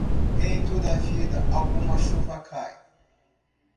Em toda vida, alguma chuva cai.